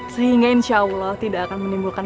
sehingga insya allah tidak akan menimbulkan